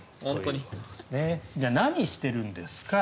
じゃあ、何してるんですか。